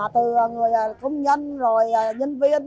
từ người công nhân rồi nhân viên